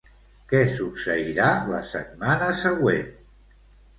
Què succeirà la setmana següent?